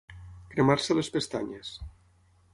Cremar-se les pestanyes.